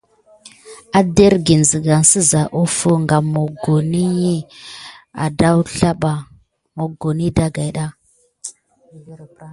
Aslazuko, azargən zegas seza offo wazlə vi moggoni dagayɗa.